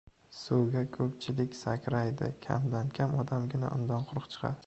— Suvga ko‘pchilik sakraydi. Kamdan-kam odamgina undan quruq chiqadi.